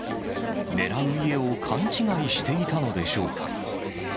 狙う家を勘違いしていたのでしょうか。